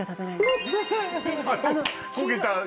焦げた。